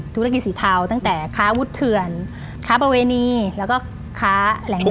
ธุรกิจสีเทาตั้งแต่ค้าวุฒิเถื่อนค้าประเวณีแล้วก็ค้าแหล่ง